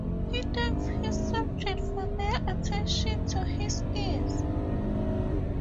He thanks his subjects for their attention to his ease.